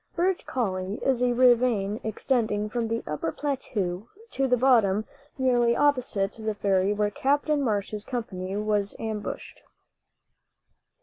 Birch Coulie is a ravine extending from the upper plateau to the river bottom, nearly opposite the ferry where Captain Marsh's company was ambushed.